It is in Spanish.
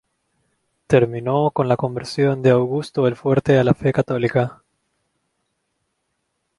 Terminó con la conversión de Augusto el Fuerte a la fe católica.